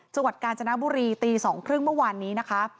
จังหวัดกาญจนบุรีตี๒๓๐เมื่อวานนี้นะคะ